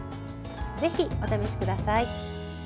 ぜひ、お試しください。